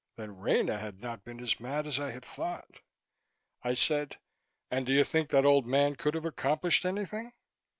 Then Rena had not been as mad as I thought. I said: "And do you think that old man could have accomplished anything?"